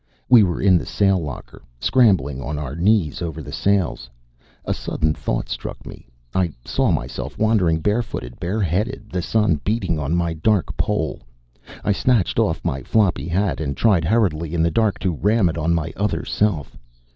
We were in the sail locker, scrambling on our knees over the sails. A sudden thought struck me. I saw myself wandering barefooted, bareheaded, the sun beating on my dark poll. I snatched off my floppy hat and tried hurriedly in the dark to ram it on my other self.